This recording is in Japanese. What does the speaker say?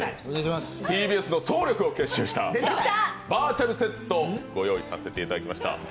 ＴＢＳの総力を結集したバーチャルセットをご用意させていただきました。